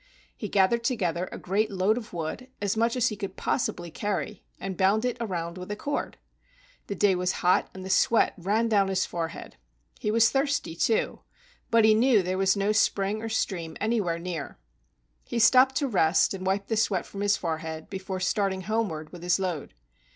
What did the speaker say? He gathered together a great load of wood, as much as he could possibly carry, and bound it around with a cord. The day was hot and the sweat ran down his fore¬ head. He was thirsty, too, but he knew there was no spring or stream anywhere near. He stopped to rest and wipe the sweat from his forehead before starting homeward with his load.